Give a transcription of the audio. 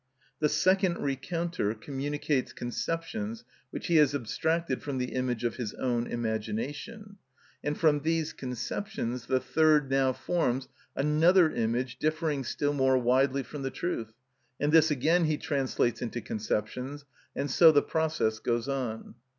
The second recounter communicates conceptions which he has abstracted from the image of his own imagination, and from these conceptions the third now forms another image differing still more widely from the truth, and this again he translates into conceptions, and so the process goes on.